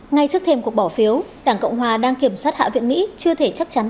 ngay trước thêm cuộc bỏ phiếu đảng cộng hòa đang kiểm soát hạ viện mỹ chưa thể chắc chắn